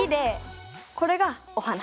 これがお花。